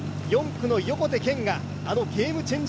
４区の横手健があのゲームチェン